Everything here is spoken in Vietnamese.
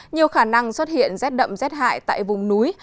nhiều khả năng xuất hiện rét đậm rét hại tại vùng núi